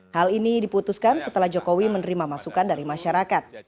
hal ini diputuskan setelah jokowi menerima masukan dari masyarakat